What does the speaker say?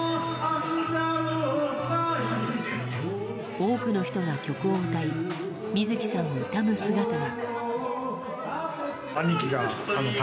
多くの人が曲を歌い水木さんを悼む姿が。